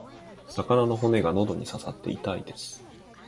魚の骨が喉に刺さって痛いです。